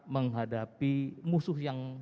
menghadapi musuh yang